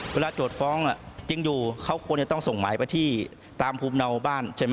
โจทย์ฟ้องจริงอยู่เขาควรจะต้องส่งหมายไปที่ตามภูมิเนาบ้านใช่ไหม